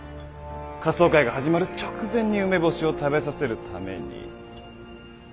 仮装会が始まる直前に梅干しを食べさせるために。